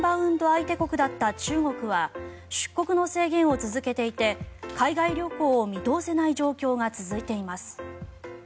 相手国だった中国は出国の制限を続けていて海外旅行を見通せない状況が続いています。